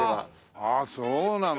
ああそうなの。